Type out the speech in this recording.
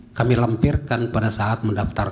dan kami melempirkan pada saat mendaftarkan